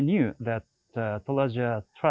kubur kubur di talajar